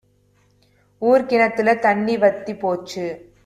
ஊர் கிணத்துல தண்ணி வத்தி போச்சு